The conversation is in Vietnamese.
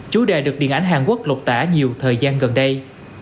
chủ đề được điện ảnh hàn quốc lột tả nhiều thời gian gần đây